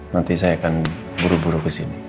nanti saya akan buru buru kesini